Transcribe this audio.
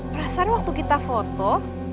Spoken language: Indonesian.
perasaan waktu kita foto